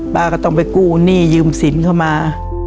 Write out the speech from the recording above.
ก็ต้องไปกู้หนี้ยืมสินเข้ามา